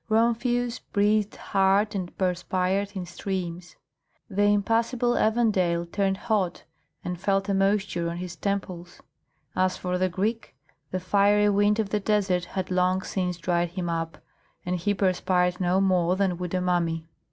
Rumphius breathed hard and perspired in streams; the impassible Evandale turned hot and felt a moisture on his temples. As for the Greek, the fiery wind of the desert had long since dried him up, and he perspired no more than would a mummy.